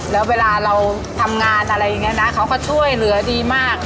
แล้วเวลาเราทำงานเขาก็ช่วยเหลือดีมาก